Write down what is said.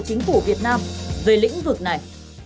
chính phủ việt nam về lĩnh vực này